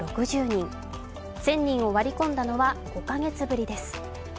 １０００人を割り込んだのは５カ月ぶりです。